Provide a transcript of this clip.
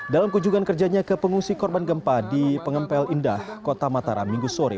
dalam kunjungan kerjanya ke pengungsi korban gempa di pengempel indah kota mataram minggu sore